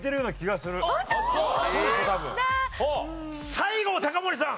西郷隆盛さん。